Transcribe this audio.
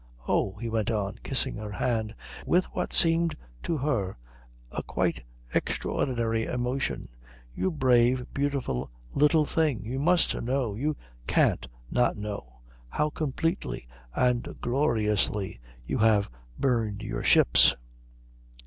Oh," he went on, kissing her hand with what seemed to her a quite extraordinary emotion, "you brave, beautiful little thing, you must know you can't not know how completely and gloriously you have burned your ships!"